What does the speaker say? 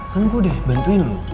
kan gue udah bantuin lo